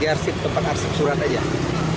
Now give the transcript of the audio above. ya arsip tempat arsip surat aja